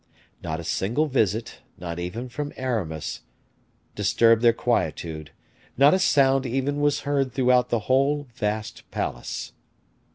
Not a single visit, not even from Aramis, disturbed their quietude: not a sound even was heard throughout the whole vast palace.